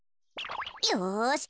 よし！